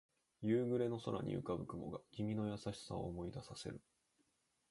夕暮れの空に浮かぶ雲が君の優しさを思い出させる